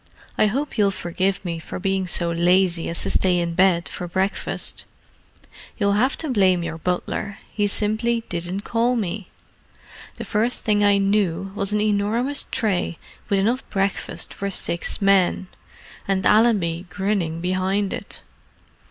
I hope you'll forgive me for being so lazy as to stay in bed for breakfast. You'll have to blame your butler: he simply didn't call me. The first thing I knew was an enormous tray with enough breakfast for six men—and Allenby grinning behind it."